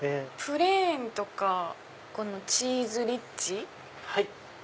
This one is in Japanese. プレーンとかチーズリッチ。